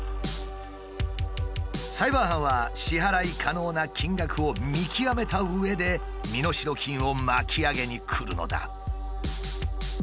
サイバー犯は支払い可能な金額を見極めたうえで身代金を巻き上げにくるのだ。